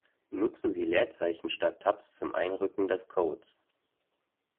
Nutzen Sie Leerzeichen statt Tabs zum Einrücken des Codes.